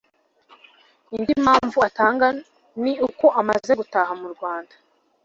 Indi mpamvu atanga ni uko amaze gutaha mu Rwanda